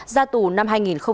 ra tù năm hai nghìn hai mươi một